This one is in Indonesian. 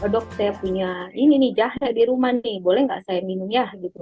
dok saya punya ini nih jahe di rumah nih boleh nggak saya minum ya gitu